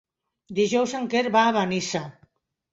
Dijous en Quer va a Benissa.